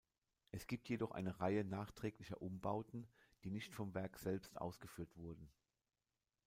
Es gibt jedoch eine Reihe nachträglicher Umbauten, die nicht vom Werk selbst ausgeführt wurden.